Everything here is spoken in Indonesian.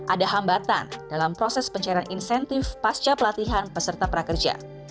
ada hambatan dalam proses pencairan insentif pasca pelatihan peserta prakerja